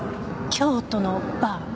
京都のバー？